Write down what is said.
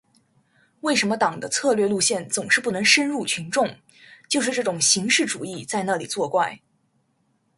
为什么党的策略路线总是不能深入群众，就是这种形式主义在那里作怪。